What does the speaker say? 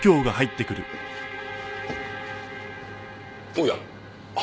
おや。